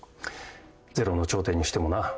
『ゼロの頂点』にしてもな。